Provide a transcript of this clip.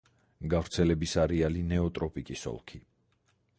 გავრცელების არეალი ნეოტროპიკის ოლქი.